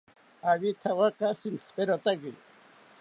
Awithawaka shintziperotaki